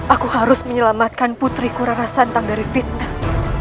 aku harus menyelamatkan putri kura rasantang dari fitnah